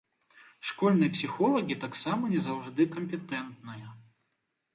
Школьныя псіхолагі таксама не заўжды кампетэнтныя.